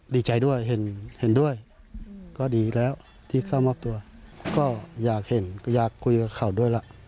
ดีใจด้วยเห็นด้วยก็ดีแล้วที่เข้ามอบตัวก็อยากเห็นก็อยากคุยกับเขาด้วยล่ะ